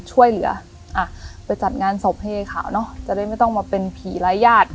ช่วยเหลืออ่ะไปจัดงานศพเฮขาวเนอะจะได้ไม่ต้องมาเป็นผีรายญาติ